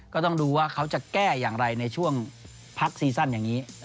ก็ต้องดูว่าเขาจะแก้อย่างไรในช่วงพักซีซั่นอย่างนี้